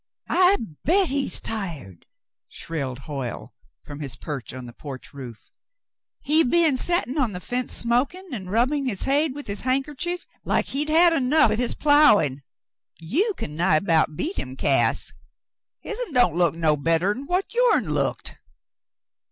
"I bet he's tired," shrilled Hoyle, from his perch on the porch roof. "He be'n settin' on the fence smokin' an' rubbin' his hade with his handkercher like he'd had enough with his ploughin'. You can nigh about beat him, Cass. Hisn didn't look no better'n what yourn looked."